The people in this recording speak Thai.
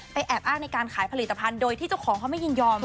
แอบอ้างในการขายผลิตภัณฑ์โดยที่เจ้าของเขาไม่ยินยอม